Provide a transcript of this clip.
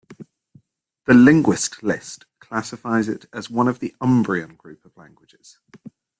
The Linguist List classifies it as one of the Umbrian Group of languages.